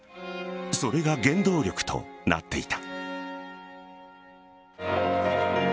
それが原動力となっていた。